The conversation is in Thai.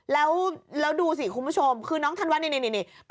แล้วดูสิคุณผู้ชมคือน้องธันวานี่